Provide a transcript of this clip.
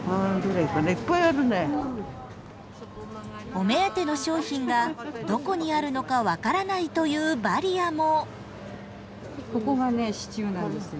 お目当ての商品がどこにあるのか分からないというバリアも。